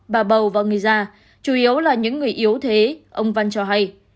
bà bầu và người già chủ yếu là những người yếu thế ông văn cho hay